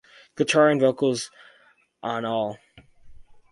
Guitar and vocals on all.